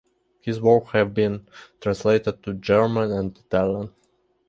His works have been translated to German and Italian.